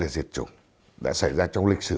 diệt chủng đã xảy ra trong lịch sử